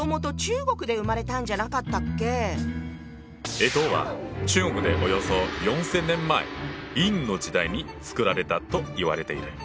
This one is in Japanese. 干支は中国でおよそ４，０００年前殷の時代に作られたといわれている。